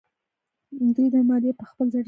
دوی دا مالیه په خپل زړه ټاکله.